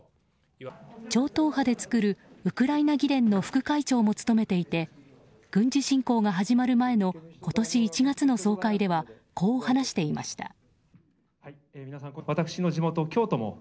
超党派で作るウクライナ議連の副会長も務めていて軍事侵攻が始まる前の今年１月の総会ではこう話していました。